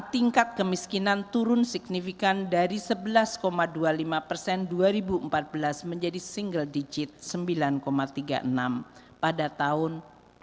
tingkat kemiskinan turun signifikan dari sebelas dua puluh lima persen dua ribu empat belas menjadi single digit sembilan tiga puluh enam pada tahun dua ribu dua puluh